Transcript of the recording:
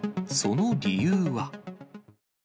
その理由は。